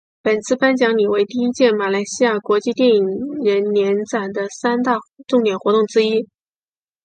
本次颁奖礼为第一届马来西亚国际电影人年展的三大重点活动之一。